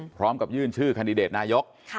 พร้อมกับยื่นชื่อคันดิเดตนายก